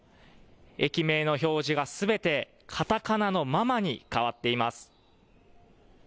駅名の表示がすべてカタカナのママに変わっています。